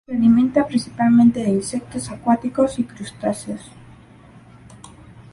Se alimenta principalmente de insectos acuáticos y crustáceos.